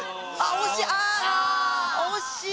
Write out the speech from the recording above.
惜しい。